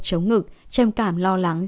chống ngực trầm cảm lo lắng